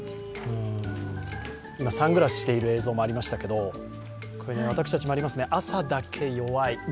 今、サングラスしている映像もありましたが、私たちもありますね、朝だけ弱い。